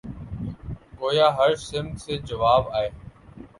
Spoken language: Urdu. گویا ہر سمت سے جواب آئے